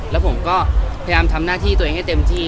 แล้วผมก็พยายามทำหน้าที่ตัวเองให้เต็มที่